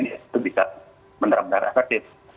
itu bisa benar benar efektif